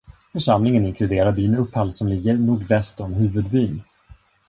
Församlingen inkluderar byn Uphall som ligger nordväst om huvudbyn.